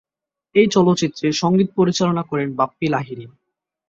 এই চলচ্চিত্রে সংগীত পরিচালনা করেন বাপ্পী লাহিড়ী।